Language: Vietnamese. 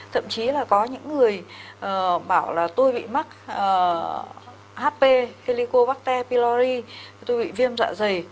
thậm chí là có những người bảo là tôi bị mắc hp helicobacter pylori tôi bị viêm dạ dày